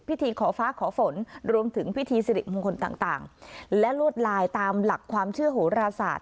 พิธีขอฟ้าขอฝนรวมถึงพิธีสิริมงคลต่างและลวดลายตามหลักความเชื่อโหราศาสต